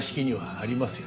あります。